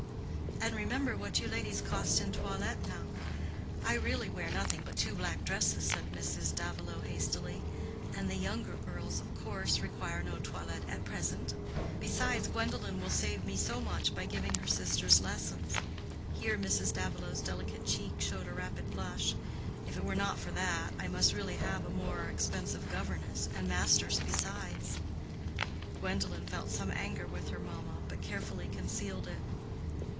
And remember what you ladies cost in toilet now." "I really wear nothing but two black dresses," said Mrs. Davilow, hastily. "And the younger girls, of course, require no toilet at present. Besides, Gwendolen will save me so much by giving her sisters lessons." Here Mrs. Davilow's delicate cheek showed a rapid blush. "If it were not for that, I must really have a more expensive governess, and masters besides." Gwendolen felt some anger with her mamma, but carefully concealed it.